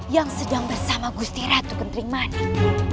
yang sedang bersama gusti ratu kenteri manik